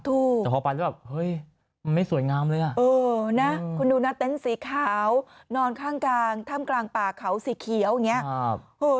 แต่พอไปไม่สวยงามเลยคุณดูนะเต็นท์สีขาวนอนข้างกลางถ้ำกลางป่าเขาสีเขียว